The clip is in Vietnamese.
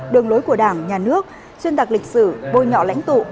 đường lối của đảng nhà nước xuyên tạc lịch sử bôi nhọ lãnh tụ